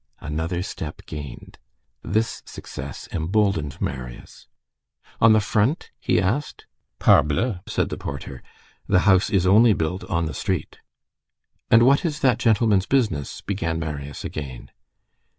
Another step gained. This success emboldened Marius. "On the front?" he asked. "Parbleu!" said the porter, "the house is only built on the street." "And what is that gentleman's business?" began Marius again.